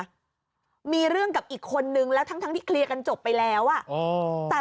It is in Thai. อ่ะมีเรื่องกับอีกคนนึงแล้วทั้งทั้งที่เคลียร์กันจบไปแล้วอ่ะอ๋อแต่